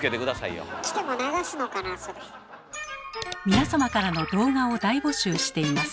皆様からの動画を大募集しています。